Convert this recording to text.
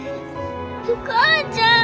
お母ちゃん。